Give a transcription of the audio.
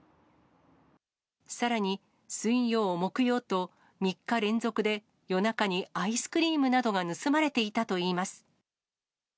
さらに水曜、木曜と、３日連続で夜中にアイスクリームなどが盗まれていたといいます。